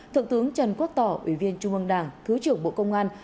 thượng tướng trần quốc tỏ ủy viên trung ương đảng thứ trưởng bộ công an